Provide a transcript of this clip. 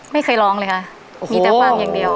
ไม่เคยร้องเลยค่ะมีแต่ฟังอย่างเดียว